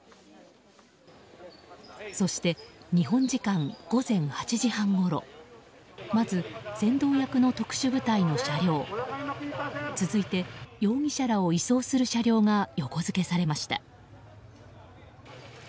そして、日本時間午前８時半ごろまず、先導役の特殊部隊の車両続いて容疑者らを移送する車両が横付けされました。